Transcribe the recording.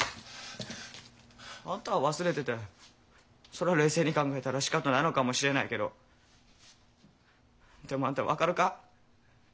あんたは忘れててそりゃ冷静に考えたらしかたないのかもしれないけどでもあんた分かるか？